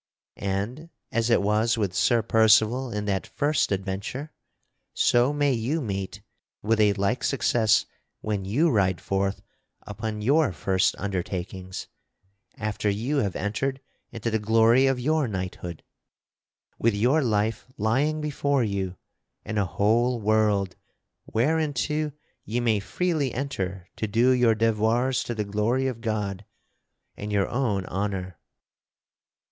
And, as it was with Sir Percival in that first adventure, so may you meet with a like success when you ride forth upon your first undertakings after you have entered into the glory of your knighthood, with your life lying before you and a whole world whereinto ye may freely enter to do your devoirs to the glory of God and your own honor.